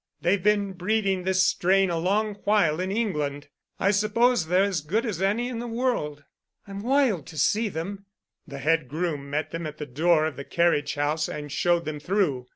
They've been breeding this strain a long while in England. I suppose they're as good as any in the world." "I'm wild to see them." The head groom met them at the door of the carriage house and showed them through.